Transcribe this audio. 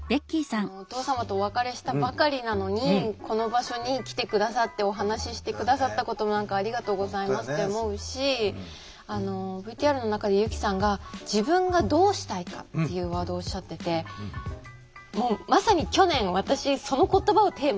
お父様とお別れしたばかりなのにこの場所に来て下さってお話しして下さったこともありがとうございますって思うしＶＴＲの中で由希さんが「自分がどうしたいか」っていうワードをおっしゃっててもうまさに去年私その言葉をテーマに生き始めたんですね。